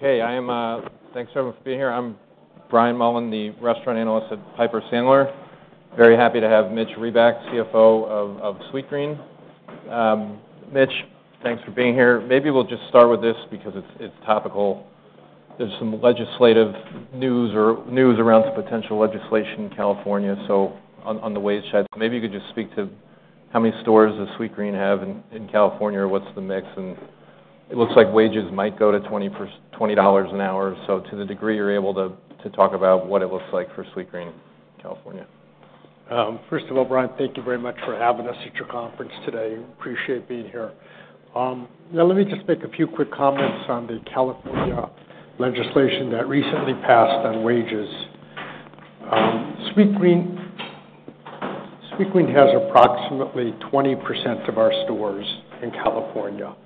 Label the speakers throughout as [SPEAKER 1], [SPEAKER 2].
[SPEAKER 1] Hey, I am thanks everyone for being here. I'm Brian Mullan, the restaurant analyst at Piper Sandler. Very happy to have Mitch Reback, CFO of Sweetgreen. Mitch, thanks for being here. Maybe we'll just start with this because it's topical. There's some legislative news or news around some potential legislation in California, so on the wage side. Maybe you could just speak to how many stores does Sweetgreen have in California, what's the mix? And it looks like wages might go to $20 an hour. So to the degree you're able to talk about what it looks like for Sweetgreen in California.
[SPEAKER 2] First of all, Brian, thank you very much for having us at your conference today. Appreciate being here. Now, let me just make a few quick comments on the California legislation that recently passed on wages. Sweetgreen, Sweetgreen has approximately 20% of our stores in California.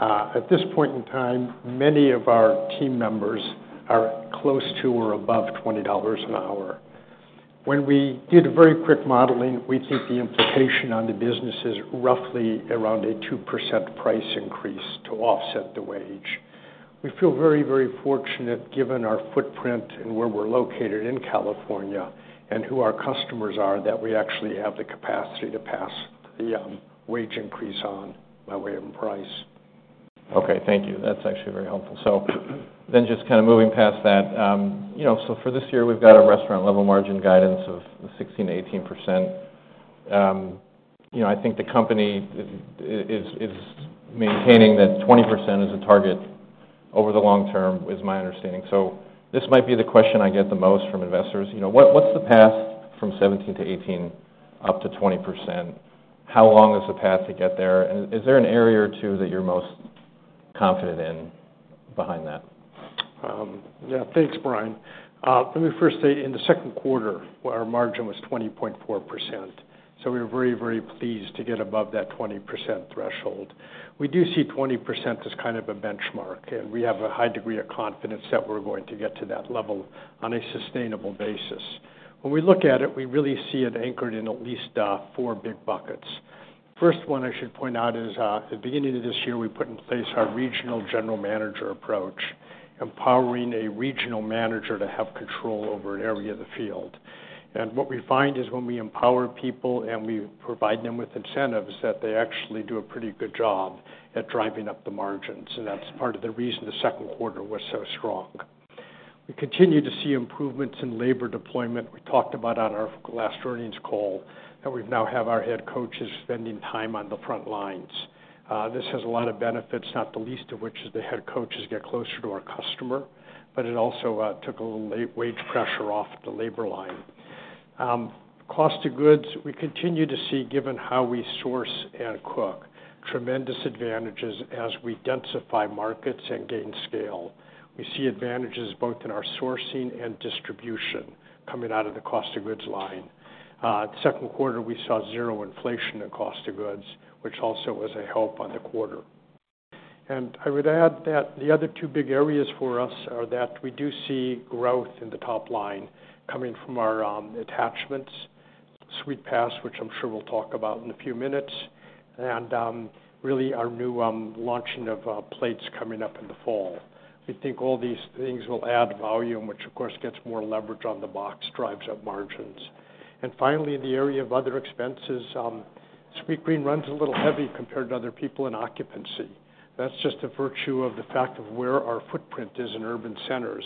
[SPEAKER 2] At this point in time, many of our team members are close to or above $20 an hour. When we did a very quick modeling, we think the implication on the business is roughly around a 2% price increase to offset the wage. We feel very, very fortunate, given our footprint and where we're located in California and who our customers are, that we actually have the capacity to pass the wage increase on by way of price.
[SPEAKER 1] Okay, thank you. That's actually very helpful. So then just kind of moving past that, you know, so for this year, we've got a Restaurant Level Margin guidance of 16%-18%. You know, I think the company is maintaining that 20% is a target over the long term, is my understanding. So this might be the question I get the most from investors. You know, what's the path from 17%-18% up to 20%? How long is the path to get there? And is there an area or two that you're most confident in behind that?
[SPEAKER 2] Yeah, thanks, Brian. Let me first say, in the second quarter, our margin was 20.4%, so we were very, very pleased to get above that 20% threshold. We do see 20% as kind of a benchmark, and we have a high degree of confidence that we're going to get to that level on a sustainable basis. When we look at it, we really see it anchored in at least 4 big buckets. First one I should point out is, at the beginning of this year, we put in place our regional general manager approach, empowering a regional manager to have control over an area of the field. And what we find is when we empower people and we provide them with incentives, that they actually do a pretty good job at driving up the margins, and that's part of the reason the second quarter was so strong. We continue to see improvements in labor deployment. We talked about on our last earnings call, that we now have our head coaches spending time on the front lines. This has a lot of benefits, not the least of which is the head coaches get closer to our customer, but it also took a little weight, wage pressure off the labor line. Cost of goods, we continue to see, given how we source and cook, tremendous advantages as we densify markets and gain scale. We see advantages both in our sourcing and distribution coming out of the cost of goods line. The second quarter, we saw zero inflation in cost of goods, which also was a help on the quarter. And I would add that the other two big areas for us are that we do see growth in the top line coming from our attachments, Sweetpass, which I'm sure we'll talk about in a few minutes, and really our new launching of plates coming up in the fall. We think all these things will add volume, which, of course, gets more leverage on the box, drives up margins. And finally, the area of other expenses, Sweetgreen runs a little heavy compared to other people in occupancy. That's just a virtue of the fact of where our footprint is in urban centers.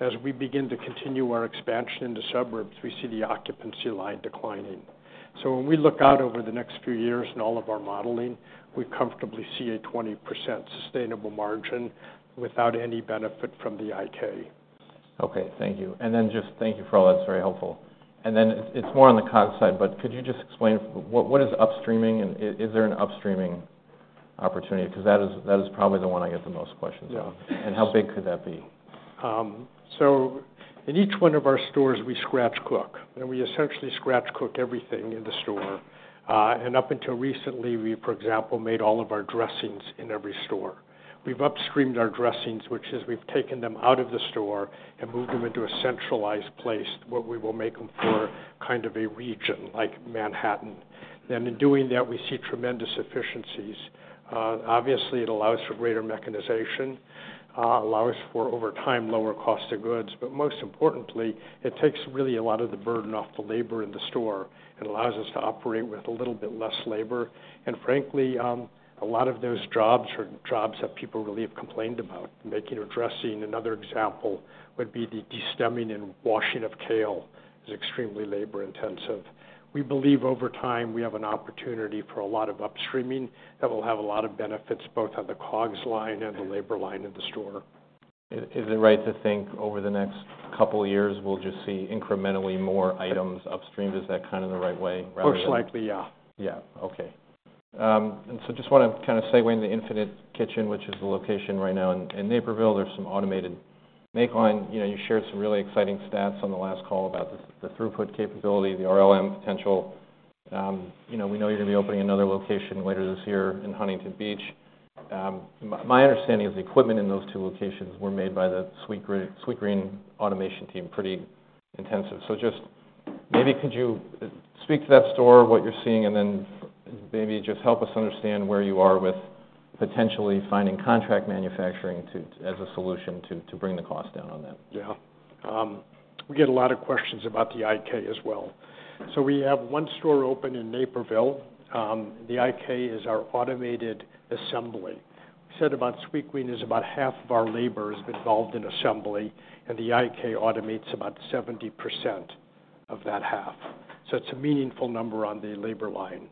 [SPEAKER 2] As we begin to continue our expansion into suburbs, we see the occupancy line declining. When we look out over the next few years in all of our modeling, we comfortably see a 20% sustainable margin without any benefit from the IK.
[SPEAKER 1] Okay, thank you. Thank you for all that. It's very helpful. It's more on the COGS side, but could you just explain what is upstreaming, and is there an upstreaming opportunity? Because that is probably the one I get the most questions on.
[SPEAKER 2] Yeah.
[SPEAKER 1] How big could that be?
[SPEAKER 2] So in each one of our stores, we scratch cook, and we essentially scratch cook everything in the store. And up until recently, we, for example, made all of our dressings in every store. We've upstreamed our dressings, which is we've taken them out of the store and moved them into a centralized place where we will make them for kind of a region like Manhattan. Then in doing that, we see tremendous efficiencies. Obviously, it allows for greater mechanization, allows for, over time, lower cost of goods, but most importantly, it takes really a lot of the burden off the labor in the store and allows us to operate with a little bit less labor. And frankly, a lot of those jobs are jobs that people really have complained about. Making a dressing, another example, would be the de-stemming and washing of kale is extremely labor-intensive. We believe over time, we have an opportunity for a lot of upstreaming that will have a lot of benefits, both on the COGS line and the labor line in the store.
[SPEAKER 1] Is it right to think over the next couple of years, we'll just see incrementally more items upstreamed? Is that kind of the right way rather than-
[SPEAKER 2] Exactly, yeah.
[SPEAKER 1] Yeah. Okay. And so just wanna kind of segue into Infinite Kitchen, which is the location right now in Naperville. There's some automated makeline. You know, you shared some really exciting stats on the last call about the throughput capability, the RLM potential. You know, we know you're gonna be opening another location later this year in Huntington Beach. My understanding is the equipment in those two locations were made by the Sweetgreen automation team, pretty intensive. So just maybe could you speak to that store, what you're seeing, and then maybe just help us understand where you are with potentially finding contract manufacturing as a solution to bring the cost down on that.
[SPEAKER 2] Yeah. We get a lot of questions about the IK as well. So we have one store open in Naperville. The IK is our automated assembly. We said about Sweetgreen is about half of our labor is involved in assembly, and the IK automates about 70% of that half. So it's a meaningful number on the labor line.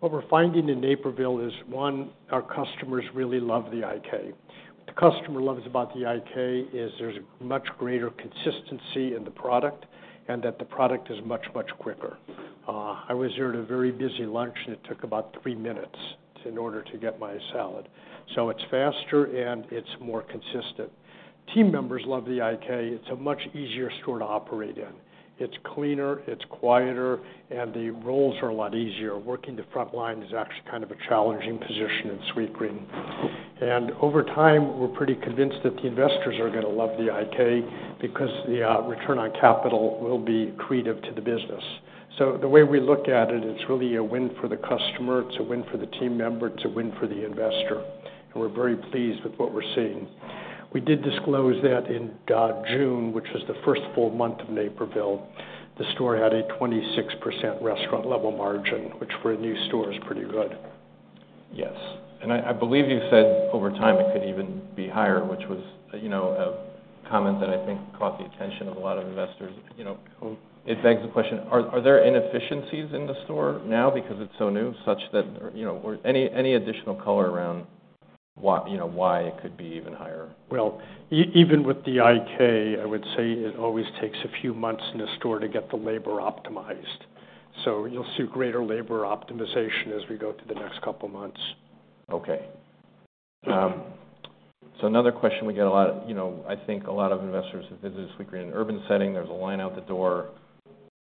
[SPEAKER 2] What we're finding in Naperville is, one, our customers really love the IK. What the customer loves about the IK is there's a much greater consistency in the product, and that the product is much, much quicker. I was there at a very busy lunch, and it took about 3 minutes in order to get my salad. So it's faster, and it's more consistent. Team members love the IK. It's a much easier store to operate in. It's cleaner, it's quieter, and the roles are a lot easier. Working the front line is actually kind of a challenging position in Sweetgreen. Over time, we're pretty convinced that the investors are gonna love the IK because the return on capital will be accretive to the business. The way we look at it, it's really a win for the customer, it's a win for the team member, it's a win for the investor, and we're very pleased with what we're seeing. We did disclose that in June, which was the first full month of Naperville. The store had a 26% restaurant level margin, which for a new store, is pretty good.
[SPEAKER 1] Yes, and I believe you said over time, it could even be higher, which was, you know, a comment that I think caught the attention of a lot of investors. You know, it begs the question, are there inefficiencies in the store now because it's so new, such that you know, or any additional color around why, you know, why it could be even higher?
[SPEAKER 2] Well, even with the IK, I would say it always takes a few months in a store to get the labor optimized. So you'll see greater labor optimization as we go through the next couple of months.
[SPEAKER 1] Okay. So another question we get a lot, you know, I think a lot of investors have visited Sweetgreen in an urban setting. There's a line out the door.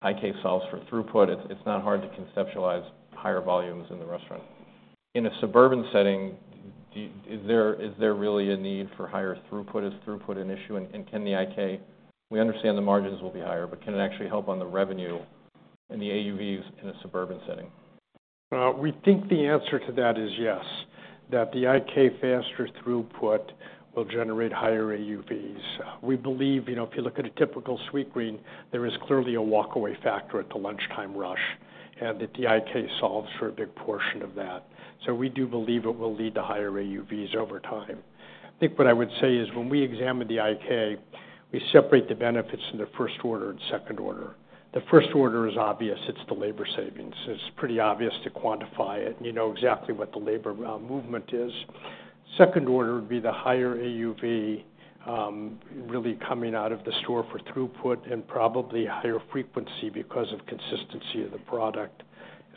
[SPEAKER 1] IK solves for throughput. It's, it's not hard to conceptualize higher volumes in the restaurant. In a suburban setting, is there really a need for higher throughput? Is throughput an issue? And can the IK We understand the margins will be higher, but can it actually help on the revenue and the AUVs in a suburban setting?
[SPEAKER 2] We think the answer to that is yes, that the IK faster throughput will generate higher AUVs. We believe, you know, if you look at a typical Sweetgreen, there is clearly a walkaway factor at the lunchtime rush, and that the IK solves for a big portion of that. So we do believe it will lead to higher AUVs over time. I think what I would say is, when we examine the IK, we separate the benefits in the first order and second order. The first order is obvious. It's the labor savings. It's pretty obvious to quantify it, and you know exactly what the labor movement is. Second order would be the higher AUV really coming out of the store for throughput and probably higher frequency because of consistency of the product,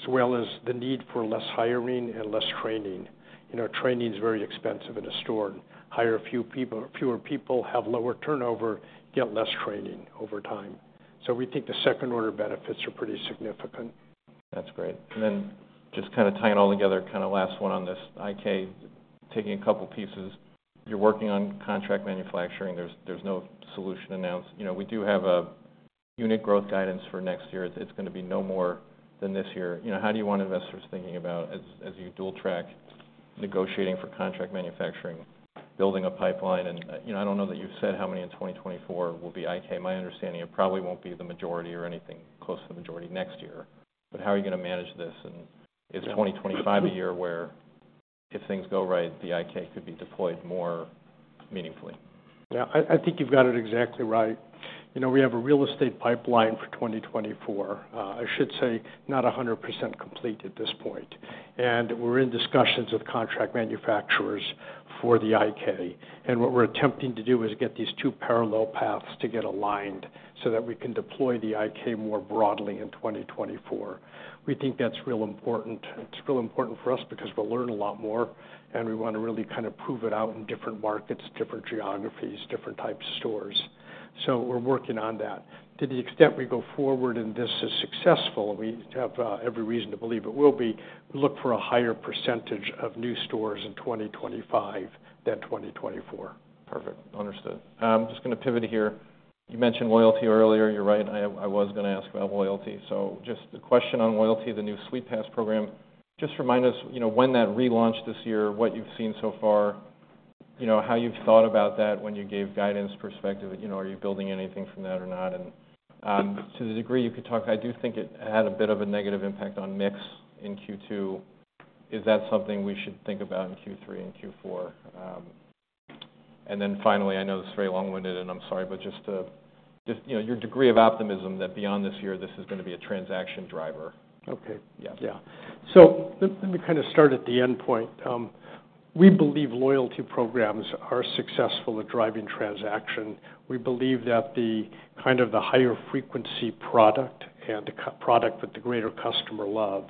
[SPEAKER 2] as well as the need for less hiring and less training. You know, training is very expensive in a store. Hire a few people, fewer people, have lower turnover, get less training over time. So we think the second-order benefits are pretty significant.
[SPEAKER 1] That's great. And then just kind of tying it all together, kind of last one on this IK, taking a couple pieces. You're working on contract manufacturing. There's, there's no solution announced. You know, we do have a unit growth guidance for next year. It's going to be no more than this year. You know, how do you want investors thinking about as, as you dual track, negotiating for contract manufacturing, building a pipeline? And, you know, I don't know that you've said how many in 2024 will be IK. My understanding, it probably won't be the majority or anything close to the majority next year. But how are you going to manage this? Is 2025 a year where if things go right, the IK could be deployed more meaningfully?
[SPEAKER 2] Yeah. I think you've got it exactly right. You know, we have a real estate pipeline for 2024, I should say, not 100% complete at this point, and we're in discussions with contract manufacturers for the IK. And what we're attempting to do is get these two parallel paths to get aligned so that we can deploy the IK more broadly in 2024. We think that's real important. It's real important for us because we'll learn a lot more, and we want to really kind of prove it out in different markets, different geographies, different types of stores. So we're working on that. To the extent we go forward and this is successful, we have every reason to believe it will be, look for a higher percentage of new stores in 2025 than 2024.
[SPEAKER 1] Perfect. Understood. I'm just going to pivot here. You mentioned loyalty earlier. You're right, I was going to ask about loyalty. Just a question on loyalty, the new Sweetpass program. Just remind us, you know, when that relaunched this year, what you've seen so far, you know, how you've thought about that when you gave guidance perspective. You know, are you building anything from that or not? To the degree you could talk, I do think it had a bit of a negative impact on mix in Q2. Is that something we should think about in Q3 and Q4? Finally, I know this is very long-winded, and I'm sorry, but just, you know, your degree of optimism that beyond this year, this is going to be a transaction driver.
[SPEAKER 2] Okay.
[SPEAKER 1] Yes.
[SPEAKER 2] Yeah. So let me kind of start at the end point. We believe loyalty programs are successful at driving transaction. We believe that the kind of the higher frequency product and the co-product that the greater customer love,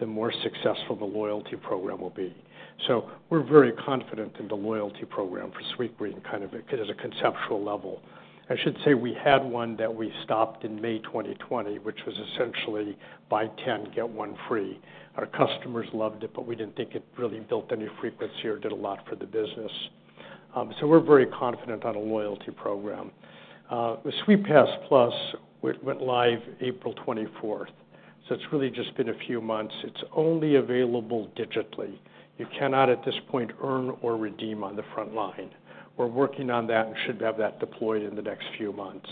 [SPEAKER 2] the more successful the loyalty program will be. So we're very confident in the loyalty program for Sweetgreen, kind of at a conceptual level. I should say we had one that we stopped in May 2020, which was essentially, buy 10, get 1 free. Our customers loved it, but we didn't think it really built any frequency or did a lot for the business. So we're very confident on a loyalty program. The Sweetpass Plus went live April 24th, so it's really just been a few months. It's only available digitally. You cannot, at this point, earn or redeem on the front line. We're working on that and should have that deployed in the next few months.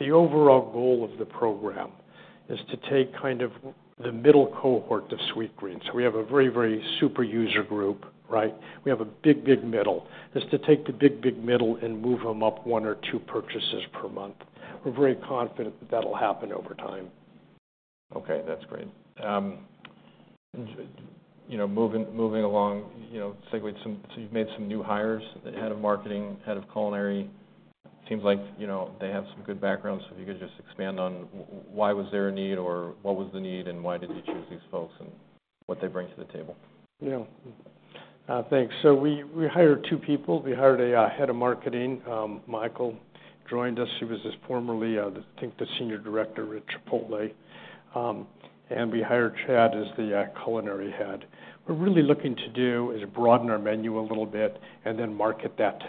[SPEAKER 2] The overall goal of the program is to take kind of the middle cohort of Sweetgreen. So we have a very, very super user group, right? We have a big, big middle. is to take the big, big middle and move them up one or two purchases per month. We're very confident that that'll happen over time.
[SPEAKER 1] Okay, that's great. You know, moving, moving along, you know, segue some-- so you've made some new hires, the head of marketing, head of culinary. Seems like, you know, they have some good background. If you could just expand on w- why was there a need or what was the need, and why did you choose these folks, and what they bring to the table?
[SPEAKER 2] Yeah. Thanks. So we hired two people. We hired a head of marketing, Michael joined us. He was just formerly, I think, the senior director at Chipotle. And we hired Chad as the culinary head. We're really looking to do is broaden our menu a little bit and then market that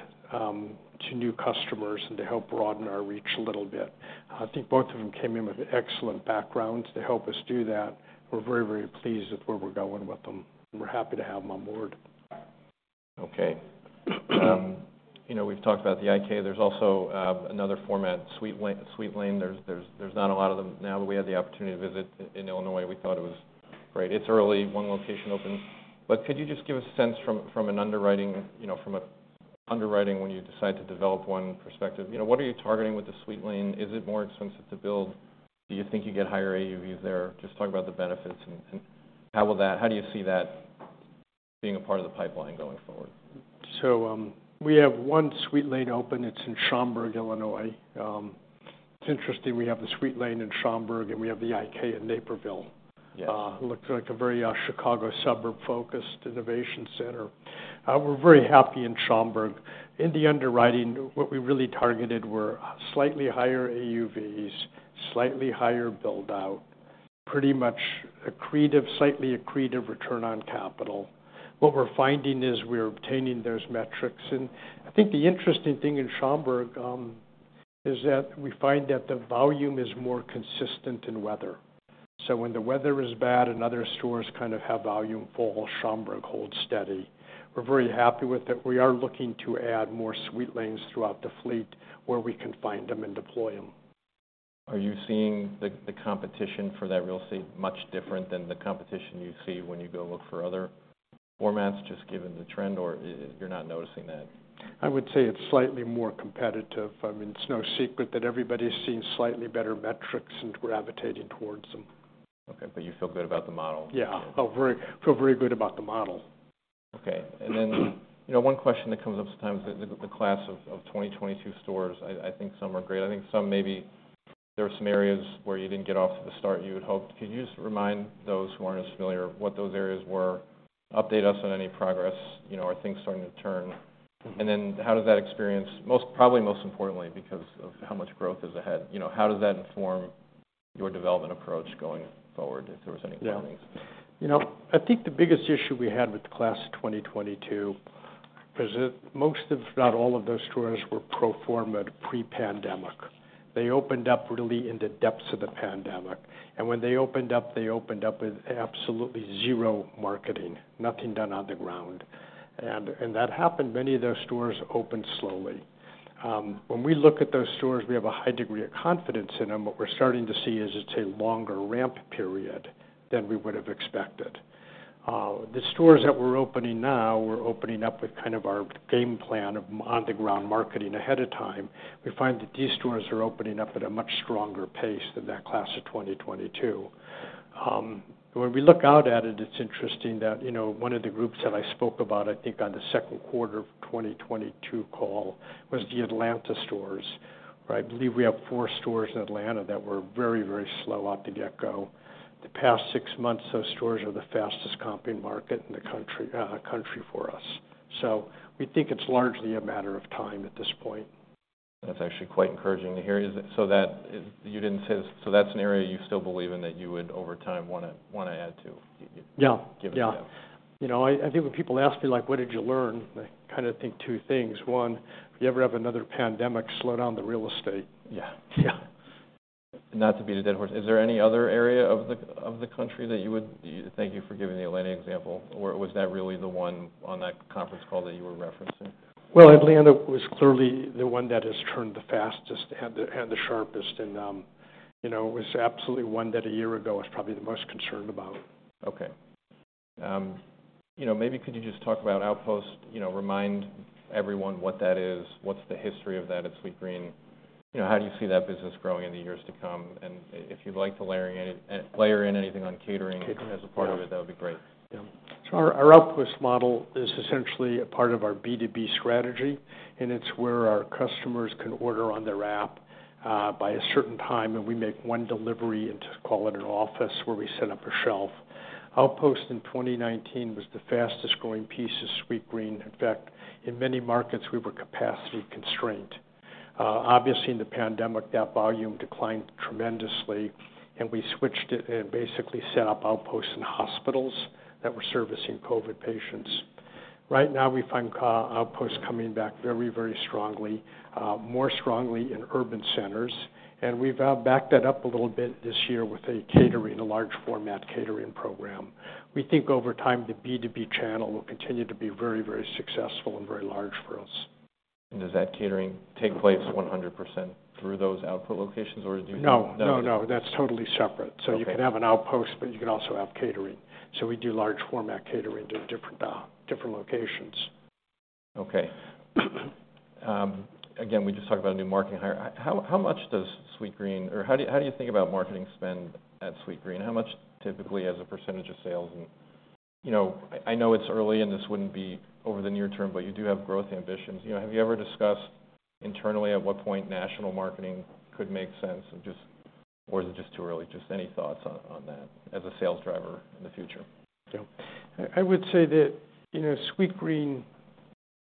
[SPEAKER 2] to new customers and to help broaden our reach a little bit. I think both of them came in with excellent backgrounds to help us do that. We're very, very pleased with where we're going with them, and we're happy to have them on board.
[SPEAKER 1] Okay. You know, we've talked about the IK. There's also another format, Sweetlane, Sweetlane. There's not a lot of them now, but we had the opportunity to visit it in Illinois. We thought it was great. It's early, one location open. But could you just give us a sense from an underwriting perspective? You know, what are you targeting with the Sweetlane? Is it more expensive to build? Do you think you get higher AUVs there? Just talk about the benefits and how do you see that being a part of the pipeline going forward?
[SPEAKER 2] We have one Sweetlane open. It's in Schaumburg, Illinois. It's interesting, we have the Sweetlane in Schaumburg, and we have the IK in Naperville.
[SPEAKER 1] Yes.
[SPEAKER 2] It looks like a very, Chicago suburb-focused innovation center. We're very happy in Schaumburg. In the underwriting, what we really targeted were slightly higher AUVs, slightly higher build out, pretty much accretive, slightly accretive return on capital. What we're finding is we're obtaining those metrics. I think the interesting thing in Schaumburg is that we find that the volume is more consistent in weather. When the weather is bad and other stores kind of have volume fall, Schaumburg holds steady. We're very happy with it. We are looking to add more Sweetlane locations throughout the fleet, where we can find them and deploy them.
[SPEAKER 1] Are you seeing the competition for that real estate much different than the competition you see when you go look for other formats, just given the trend, or you're not noticing that?
[SPEAKER 2] I would say it's slightly more competitive. I mean, it's no secret that everybody's seeing slightly better metrics and gravitating towards them.
[SPEAKER 1] Okay, but you feel good about the model?
[SPEAKER 2] Yeah. Oh, feel very good about the model.
[SPEAKER 1] Okay. And then, you know, one question that comes up sometimes, the class of 2022 stores, I think some are great. I think some maybe there are some areas where you didn't get off to the start you had hoped. Could you just remind those who aren't as familiar, what those areas were? Update us on any progress, you know, are things starting to turn.
[SPEAKER 2] Mm-hmm.
[SPEAKER 1] And then how does that experience most importantly, because of how much growth is ahead, you know, how does that inform your development approach going forward, if there was any learnings?
[SPEAKER 2] Yeah. You know, I think the biggest issue we had with the class of 2022, was that most, if not all, of those stores were pro forma pre-pandemic. They opened up really in the depths of the pandemic, and when they opened up, they opened up with absolutely zero marketing, nothing done on the ground. And, and that happened, many of those stores opened slowly. When we look at those stores, we have a high degree of confidence in them. What we're starting to see is, it's a longer ramp period than we would have expected. The stores that we're opening now, we're opening up with kind of our game plan of on-the-ground marketing ahead of time. We find that these stores are opening up at a much stronger pace than that class of 2022. When we look out at it, it's interesting that, you know, one of the groups that I spoke about, I think on the second quarter of 2022 call, was the Atlanta stores, right? I believe we have four stores in Atlanta that were very, very slow out the get-go. The past six months, those stores are the fastest-growing market in the country, country for us. So we think it's largely a matter of time at this point.
[SPEAKER 1] That's actually quite encouraging to hear. So that's an area you still believe in, that you would, over time, wanna, wanna add to?
[SPEAKER 2] Yeah.
[SPEAKER 1] Given
[SPEAKER 2] Yeah. You know, I, I think when people ask me, like, "What did you learn?" I kind of think two things. One, if you ever have another pandemic, slow down the real estate.
[SPEAKER 1] Yeah, yeah. Not to beat a dead horse. Is there any other area of the country that you would? Thank you for giving the Atlanta example. Or was that really the one on that conference call that you were referencing?
[SPEAKER 2] Well, Atlanta was clearly the one that has turned the fastest, and the sharpest. You know, it was absolutely one that a year ago, I was probably the most concerned about.
[SPEAKER 1] Okay. You know, maybe could you just talk about Outpost? You know, remind everyone what that is, what's the history of that at Sweetgreen? You know, how do you see that business growing in the years to come? And if you'd like to layer in anything on catering?
[SPEAKER 2] Catering
[SPEAKER 1] as a part of it, that would be great.
[SPEAKER 2] Yeah. Our Outpost model is essentially a part of our B2B strategy, and it's where our customers can order on their app by a certain time, and we make one delivery into, call it an office, where we set up a shelf. Outpost in 2019 was the fastest-growing piece of Sweetgreen. In fact, in many markets, we were capacity constrained. Obviously, in the pandemic, that volume declined tremendously, and we switched it and basically set up outposts in hospitals that were servicing COVID patients. Right now, we find outposts coming back very, very strongly, more strongly in urban centers, and we've backed that up a little bit this year with a large format catering program. We think over time, the B2B channel will continue to be very, very successful and very large for us.
[SPEAKER 1] Does that catering take place 100% through those Outpost locations, or do you
[SPEAKER 2] No, no, no, that's totally separate.
[SPEAKER 1] Okay.
[SPEAKER 2] So you can have an Outpost, but you can also have catering. So we do large format catering to different, different locations.
[SPEAKER 1] Okay. Again, we just talked about a new marketing hire. How much does Sweetgreen or how do you think about marketing spend at Sweetgreen? How much typically as a percentage of sales? And, you know, I know it's early, and this wouldn't be over the near term, but you do have growth ambitions. You know, have you ever discussed internally at what point national marketing could make sense, and just-- or is it just too early? Just any thoughts on that as a sales driver in the future?
[SPEAKER 2] Yeah. I would say that, you know, Sweetgreen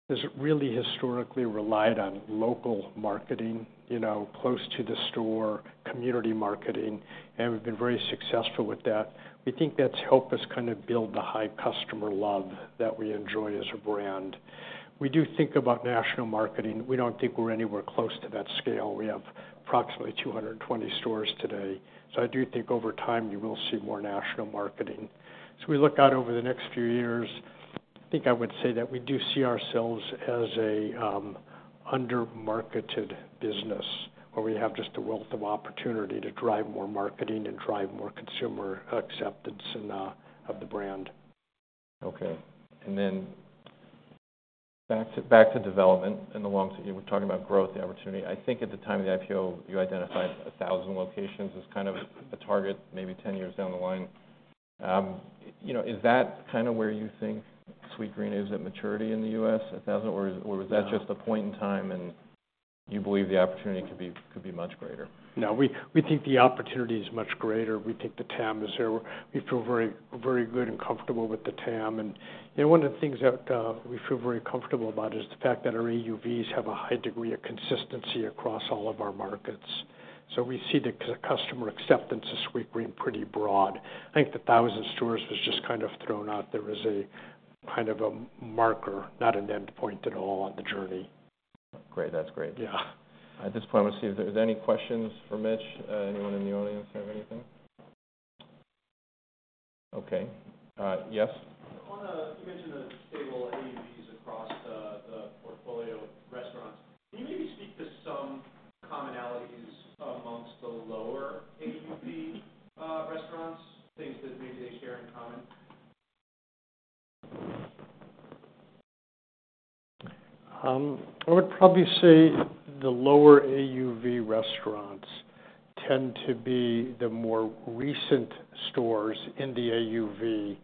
[SPEAKER 2] has really historically relied on local marketing, you know, close to the store, community marketing, and we've been very successful with that. We think that's helped us kind of build the high customer love that we enjoy as a brand. We do think about national marketing. We don't think we're anywhere close to that scale. We have approximately 220 stores today. I do think over time, you will see more national marketing. As we look out over the next few years, I think I would say that we do see ourselves as a, you know, under-marketed business, where we have just a wealth of opportunity to drive more marketing and drive more consumer acceptance and, you know, of the brand.
[SPEAKER 1] Okay, and then back to development in the long... You were talking about growth, the opportunity. I think at the time of the IPO, you identified 1,000 locations as kind of a target, maybe 10 years down the line. You know, is that kind of where you think Sweetgreen is at maturity in the U.S., 1,000? Or is Or was that just a point in time, and you believe the opportunity could be, could be much greater?
[SPEAKER 2] No, we think the opportunity is much greater. We think the TAM is there. We feel very, very good and comfortable with the TAM. And, you know, one of the things that we feel very comfortable about is the fact that our AUVs have a high degree of consistency across all of our markets. So we see the customer acceptance of Sweetgreen pretty broad. I think the 1,000 stores was just kind of thrown out there as a kind of a marker, not an end point at all on the journey.
[SPEAKER 1] Great. That's great.
[SPEAKER 2] Yeah.
[SPEAKER 1] At this point, I want to see if there's any questions for Mitch. Anyone in the audience have anything? Okay. Yes?
[SPEAKER 3] I wanna you mentioned the stable AUVs across the portfolio of restaurants. Can you maybe speak to some commonalities amongst the lower AUV restaurants, things that maybe they share in common?
[SPEAKER 2] I would probably say the lower AUV restaurants tend to be the more recent stores in the AUV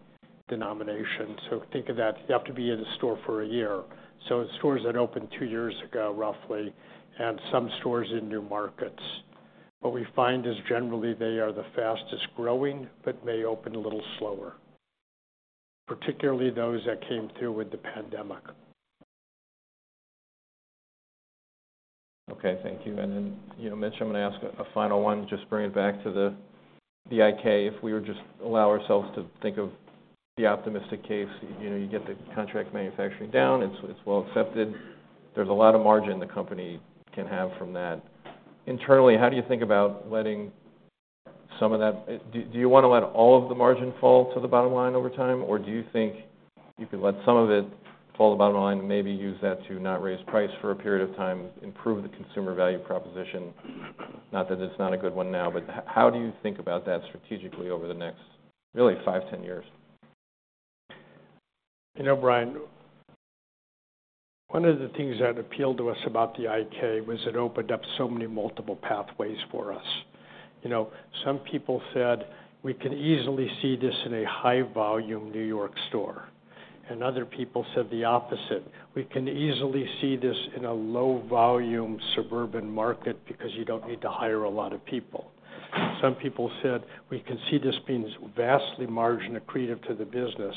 [SPEAKER 2] denomination. So think of that, you have to be in the store for a year. So stores that opened two years ago, roughly, and some stores in new markets. What we find is generally they are the fastest growing, but may open a little slower, particularly those that came through with the pandemic.
[SPEAKER 1] Okay, thank you. You know, Mitch, I'm going to ask a final one, just bring it back to the IK. If we were just allow ourselves to think of the optimistic case, you know, you get the contract manufacturing down, it's well accepted. There's a lot of margin the company can have from that. Internally, how do you think about letting some of that—do you want to let all of the margin fall to the bottom line over time, or do you think you could let some of it fall to the bottom line, and maybe use that to not raise price for a period of time, improve the consumer value proposition? Not that it's not a good one now, but how do you think about that strategically over the next, really, five, ten years?
[SPEAKER 2] You know, Brian, one of the things that appealed to us about the IK was it opened up so many multiple pathways for us. You know, some people said, "We can easily see this in a high-volume New York store," and other people said the opposite: "We can easily see this in a low-volume suburban market because you don't need to hire a lot of people." Some people said: "We can see this being vastly margin accretive to the business."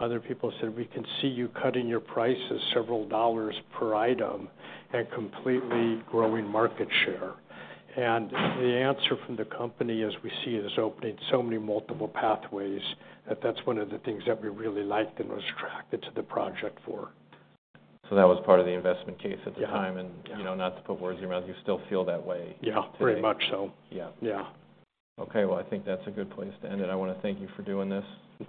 [SPEAKER 2] Other people said: "We can see you cutting your prices several dollars per item and completely growing market share." And the answer from the company, as we see it, is opening so many multiple pathways, that that's one of the things that we really liked and was attracted to the project for.
[SPEAKER 1] That was part of the investment case at the time
[SPEAKER 2] Yeah.
[SPEAKER 1] you know, not to put words in your mouth, you still feel that way today?
[SPEAKER 2] Yeah, pretty much so.
[SPEAKER 1] Yeah.
[SPEAKER 2] Yeah.
[SPEAKER 1] Okay, well, I think that's a good place to end it. I want to thank you for doing this.